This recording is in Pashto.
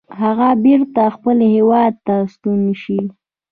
هغه بیرته خپل هیواد ته ستون شي.